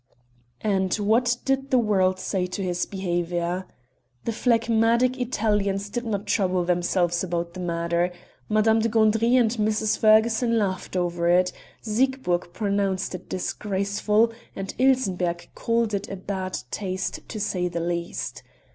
And what did the world say to his behavior? The phlegmatic Italians did not trouble themselves about the matter; Madame de Gandry and Mrs. Ferguson laughed over it; Siegburg pronounced it disgraceful, and Ilsenbergh called it bad taste to say the least.